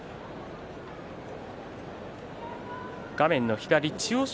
画面の左、千代翔